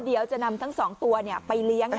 เดี๋ยวจะนำทั้ง๒ตัวไปเลี้ยง